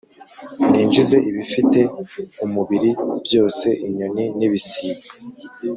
mwinjize ibifite umubiri byose inyoni n ibisiga